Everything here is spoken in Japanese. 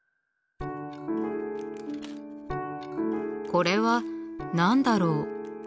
これは何だろう？